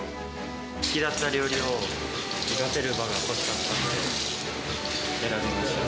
好きだった料理を生かせる場が欲しかったので、選びました。